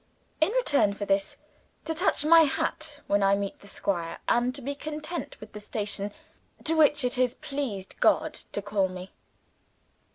In return for this, to touch my hat when I meet the Squire, and to be content with the station to which it has pleased God to call me.